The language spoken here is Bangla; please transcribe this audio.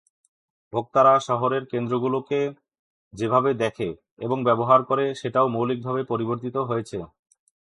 ভোক্তারা শহরের কেন্দ্রগুলোকে যেভাবে দেখে এবং ব্যবহার করে, সেটাও মৌলিকভাবে পরিবর্তিত হয়েছে।